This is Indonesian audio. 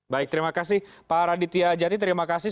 baik terima kasih pak raditya jati terima kasih